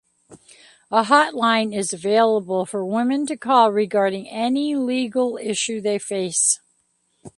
A hotline is available for women to call regarding any legal issue they face.